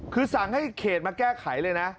คือสั่งให้เขตมาแก้ไขเลยนะ